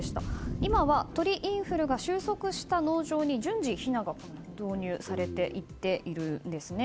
今は鳥インフルが終息した農場に順次、ひなが導入されていっているんですね。